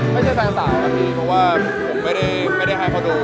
ไม่ใช่แฟนสาวอันนี้เพราะว่าผมไม่ได้ให้เขาดู